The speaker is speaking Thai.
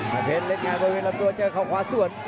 มาเผ็ดเล่นงานพอมีทว้ายนลับตัวเจอกับเขาขวาสวน